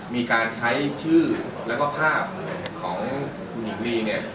มีการใช้ชื่อและภาพของคุณหญิงรี